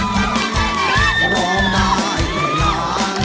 เพื่อร้องได้ให้ร้าง